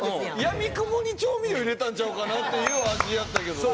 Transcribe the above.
やみくもに調味料入れたんちゃうかなっていう味やったけどな。